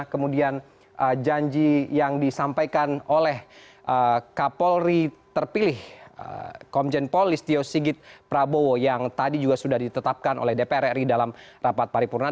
kemudian janji yang disampaikan oleh kapolri terpilih komjen paul listio sigit prabowo yang tadi juga sudah ditetapkan oleh dpr ri dalam rapat paripurna